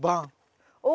お。